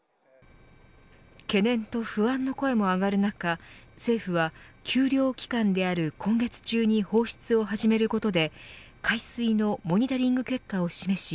懸念と不安の声も上がる中政府は休漁期間である今月中に放出を始めることで海水のモニタリング結果を示し